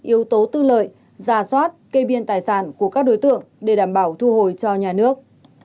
yếu tố tư lợi ra soát kê biên tài sản của các đối tượng để đảm bảo thu hồi cho nhà nước